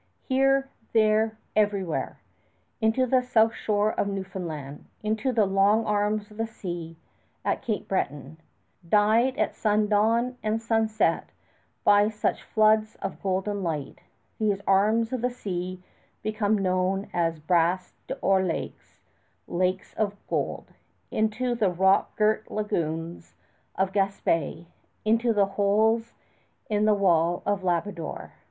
. here, there, everywhere; into the south shore of Newfoundland; into the long arms of the sea at Cape Breton, dyed at sundawn and sunset by such floods of golden light, these arms of the sea become known as Bras d'Or Lakes Lakes of Gold; into the rock girt lagoons of Gaspé; into the holes in the wall of Labrador